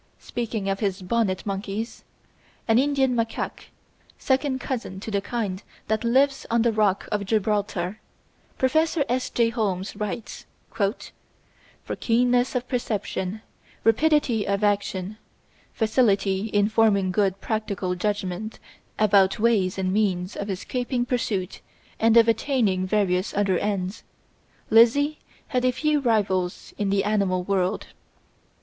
Speaking of his Bonnet Monkey, an Indian macaque, second cousin to the kind that lives on the Rock of Gibraltar, Professor S. J. Holmes writes: "For keenness of perception, rapidity of action, facility in forming good practical judgments about ways and means of escaping pursuit and of attaining various other ends, Lizzie had few rivals in the animal world....